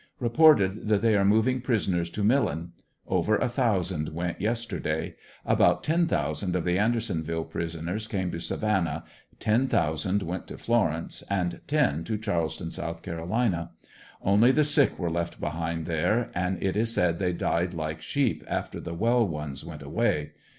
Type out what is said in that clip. Reported that they are moving prisoners to Millen. Over a thousand went yesterday. About ten thousand of the Andersonville prisoners came to Savannah, ten thousand went to Florence and ten to Charleston, S. C. Only the sick were left behind there, and it is said they died like sheep after ANDEBSONVILLE DIARY, 107 the well ones went away.